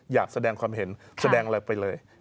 อยากแสดงความเห็นแสดงอะไรไปเลย